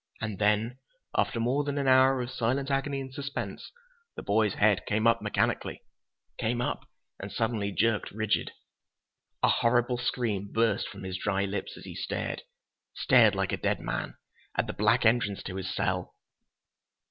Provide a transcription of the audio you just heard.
And then, after more than an hour of silent agony and suspense, the boy's head came up mechanically. Came up—and suddenly jerked rigid. A horrible scream burst from his dry lips as he stared—stared like a dead man—at the black entrance to his cell.